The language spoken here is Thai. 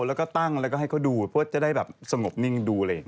แล้วตั้งและให้เขาดูเพราะจะได้สงบนิ่งดู